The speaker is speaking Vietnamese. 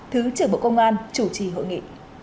thứ trưởng bộ công an chủ trì hội nghị